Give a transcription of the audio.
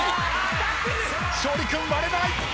勝利君割れない。